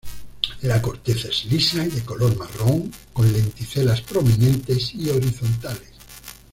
La corteza es lisa y de color marrón, con lenticelas prominentes y horizontales.